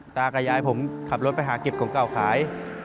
ตากับยายผมขับรถไปหาเก็บของเก่าขาย